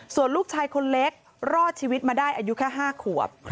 ส่วนลูกชายคนเล็กรอดชีวิตมาได้อายุแค่๕ขวบ